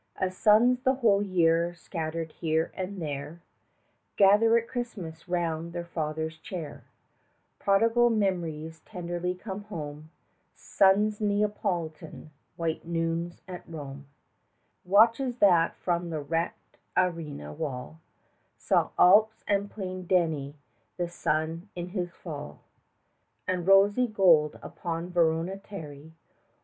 4 As sons the whole year scattered here and there Gather at Christmas round their father's chair, Prodigal memories tenderly come home Suns Neapolitan, white noons at Rome; Watches that from the wreck'd Arena wall Saw Alps and Plain deny the Sun in his fall, 10 And rosy gold upon Verona tarry.